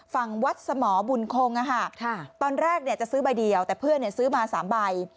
ฝั่งวัดสมบุญคงตอนแรกจะซื้อใบเดียวแต่เพื่อนซื้อมา๓ใบ